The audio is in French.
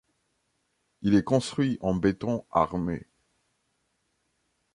Il est construit en béton armé.